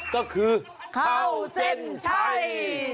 ก็คือเข้าเส้นชัย